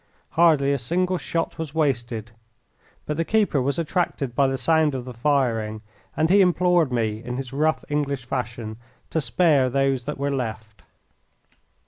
Hardly a single shot was wasted, but the keeper was attracted by the sound of the firing, and he implored me in his rough English fashion to spare those that were left.